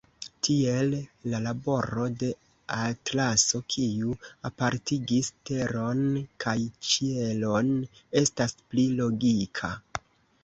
Tiel, la laboro de Atlaso, kiu apartigis Teron kaj Ĉielon, estas pli logika.